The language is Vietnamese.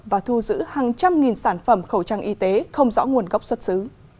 và thu giữ hàng trăm nghìn sản phẩm khẩu trang y tế không rõ nguồn gốc xuất xứ